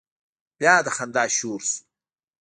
بيا د خندا شور شو.